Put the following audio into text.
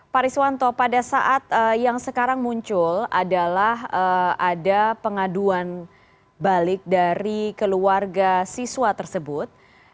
pak riswanto pada saat yang sekarang muncul adalah ada pengaduan balik dari keluarga siswa tersebut